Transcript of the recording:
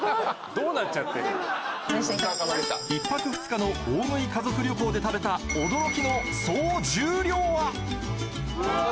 １泊２日の大食い家族旅行で食べた驚きの総重量はうわ！